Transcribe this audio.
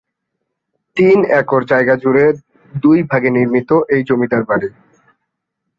তিন একর জায়গা জুড়ে দুই ভাগে নির্মিত এই জমিদার বাড়ি।